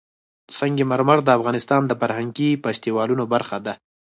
سنگ مرمر د افغانستان د فرهنګي فستیوالونو برخه ده.